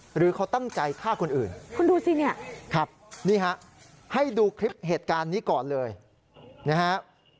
หรือเขาตั้งใจฆ่าคนอื่นครับนี่ครับให้ดูคลิปเหตนี้ก่อนเลยนะครับ